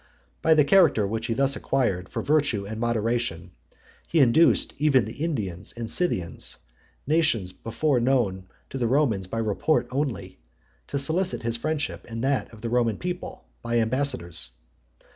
By the character which he thus acquired, for virtue and moderation, he induced even the Indians and Scythians, nations before known to the Romans by report only, to solicit his friendship, and that of the Roman people, by ambassadors.